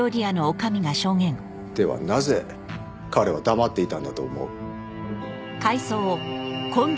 ではなぜ彼は黙っていたんだと思う？